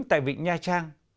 tại vịnh nha trang